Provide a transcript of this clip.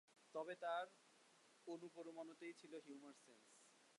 তবে তাঁর অণু পরমাণুতেই তো ছিল হিউমার সেন্স।